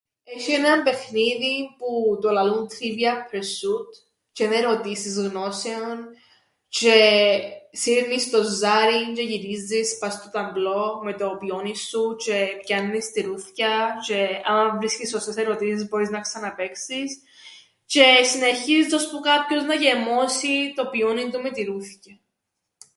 Έσ̆ει έναν παιχνίδιν που το λαλούν Trivial Pursuit τžι εν' ερωτήσεις γνώσεων τžαι σύρνεις το ζάριν τžαι γυρίζεις πά' στο ταμπλό με το πιόνιν σου τžαι πιάννεις τυρούθκια τžαι άμαν βρίσκεις σωστές ερωτήσεις μπόρεις να ξαναπαίξεις τžαι συνεχίζεις ώσπου κάποιος να γεμώσει το πιόνιν του με τυρούθκια.